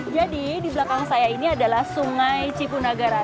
jadi di belakang saya ini adalah sungai cipunagara